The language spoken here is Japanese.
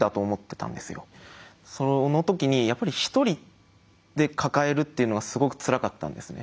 その時にやっぱり一人で抱えるっていうのはすごくつらかったんですね。